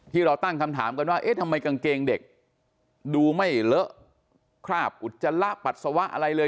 เราตั้งคำถามกันว่าเอ๊ะทำไมกางเกงเด็กดูไม่เลอะคราบอุจจาระปัสสาวะอะไรเลย